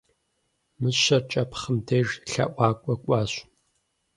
Мыщэр кӀэпхъым деж лъэӀуакӀуэ кӀуащ.